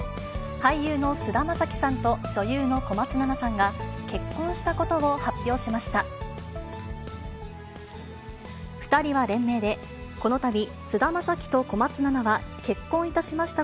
俳優の菅田将暉さんと、女優の小松菜奈さんが、結婚したことを発表しました。